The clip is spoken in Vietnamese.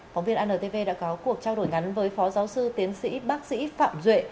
phóng viên antv đã có cuộc trao đổi ngắn với phó giáo sư tiến sĩ bác sĩ phạm duệ